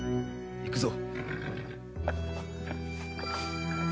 行くぞ。